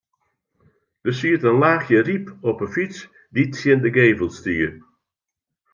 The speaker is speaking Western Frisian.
Der siet in laachje ryp op 'e fyts dy't tsjin de gevel stie.